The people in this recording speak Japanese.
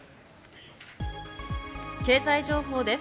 経済情報です。